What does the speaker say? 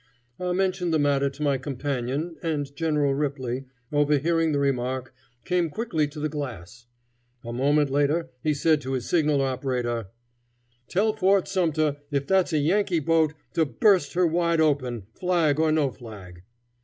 I mentioned the matter to my companion, and General Ripley, overhearing the remark, came quickly to the glass. A moment later he said to his signal operator, "Tell Fort Sumter if that's a Yankee boat to burst her wide open, flag or no flag."